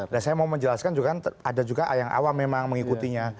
dan saya mau menjelaskan juga kan ada juga yang awal memang mengikutinya